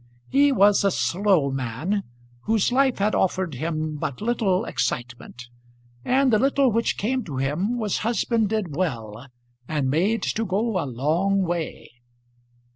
He was a slow man, whose life had offered him but little excitement; and the little which came to him was husbanded well and made to go a long way.